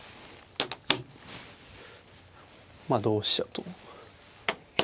まあ同飛車と。